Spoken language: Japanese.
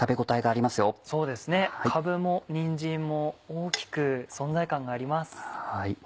かぶもにんじんも大きく存在感があります。